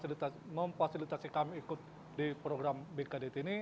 kita memfasilitasi kami ikut di program bkdt ini